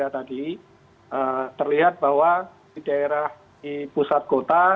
jadi terlihat bahwa di daerah pusat kota